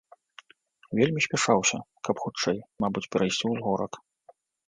Вельмі спяшаўся, каб хутчэй, мабыць, перайсці ўзгорак.